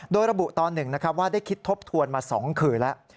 โดยระบุตอนหนึ่งนะครับว่าได้คิดทบทวนมา๒คืนแล้ว